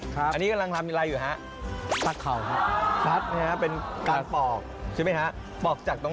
ถึงตาเราและผู้ชมแอบประหลาดด้วย